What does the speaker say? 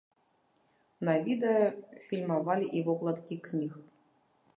На відэа фільмавалі і вокладкі кніг.